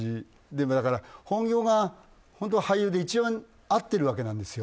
だから本業が俳優で一番合っているわけなんですよ。